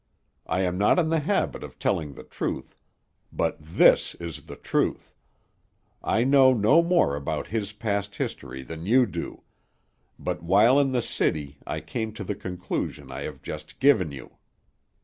I am not in the habit of telling the truth; but this is the truth: I know no more about his past history than you do; but while in the city I came to the conclusion I have just given you."